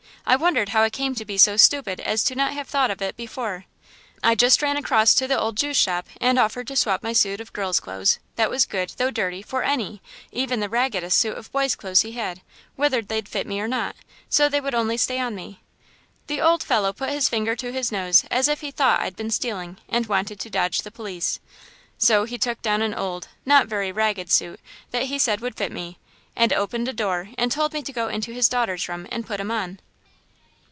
I wondered how I came to be so stupid as not to have thought of it before. I just ran across to the old Jew's shop and offered to swap my suit of girl's clothes, that was good, though dirty, for any, even the raggedest suit of boy's clothes he had, whether they'd fit me or not, so they would only stay on me. The old fellow put his finger to his nose as if he thought I'd been stealing and wanted to dodge the police. So he took down an old, not very ragged, suit that he said would fit me, and opened a door and told me to go in his daughter's room and put 'em on.